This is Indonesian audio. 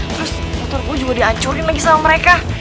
terus motor gue juga dihancurin lagi sama mereka